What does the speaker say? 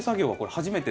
初めて？